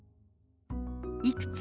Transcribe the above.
「いくつ？」。